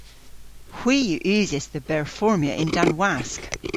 Hwi yw usys dhe berformya yn-dann wask.